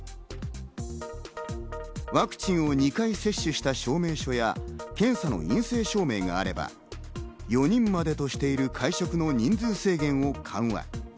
ワクチンを２回接種した証明書や検査の陰性証明があれば４人までとしている会食の人数制限を緩和。